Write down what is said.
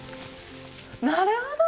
なるほど！